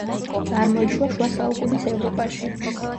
წარმოიშვა შუა საუკუნის ევროპაში.